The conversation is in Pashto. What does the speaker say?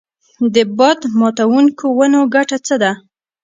د باد ماتوونکو ونو ګټه څه ده؟